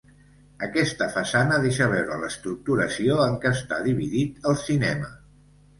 Aquesta façana deixa veure l'estructuració en què està dividit el cinema.